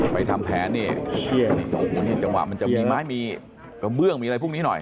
ไปทำแผนนี่โอ้โหนี่จังหวะมันจะมีไม้มีกระเบื้องมีอะไรพวกนี้หน่อย